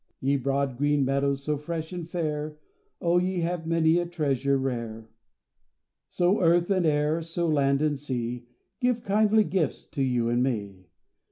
Ye broad, green Meadows, so fresh and fair, Oh, ye have many a treasure rare! So earth and air, so land and sea Give kindly gifts to you and me.